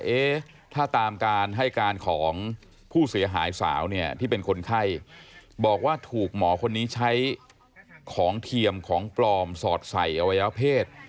เอ๊ะถ้าตามการให้การของผู้เสียหายสาวเนี่ยที่เป็นคนไข้บอกว่าถูกหมอคนนี้ใช้ของเทียมของปลอมสอดใส่อวัยวะเพศ